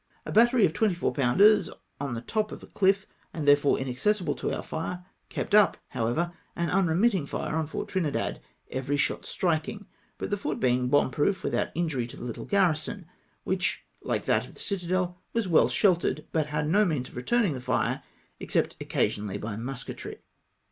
A battery of 24 pounders on the top of a chff, and therefore inacces sible to our fire, kept up, however, an unremitting fire on Fort Trinidad, every shot striking ; but the fort being bomb proof, without injury to the httle garrison, which, hke that of the citadel, was well sheltered, but had no means of returning the fire except occasionaUy by musketry.